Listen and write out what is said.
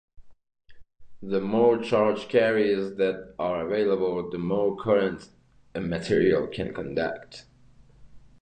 The more charge carriers that are available, the more current a material can conduct.